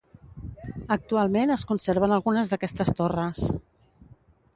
Actualment es conserven algunes d'aquestes torres.